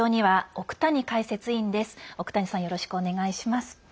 奥谷さん、よろしくお願いします。